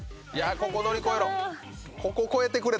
ここ乗り越えろ。